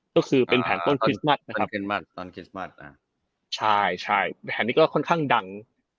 ก็คือเป็นแผนต้นคริสต์มัสนะครับต้นคริสต์มัสใช่ใช่แผนนี้ก็ค่อนข้างดัง